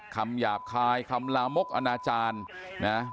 หยาบคายคำลามกอนาจารย์นะ